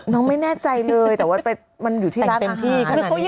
น้องไม่แน่ใจเลยแต่ว่ามันอยู่ที่ร้านอาหาร